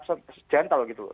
bersikap gentle gitu loh